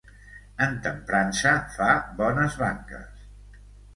En Temprança fa bones banques.